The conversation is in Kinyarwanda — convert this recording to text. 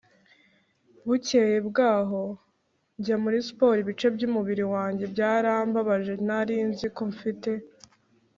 Bukeye bwaho njya muri siporo ibice byumubiri wanjye byarambabaje ntari nzi ko mfite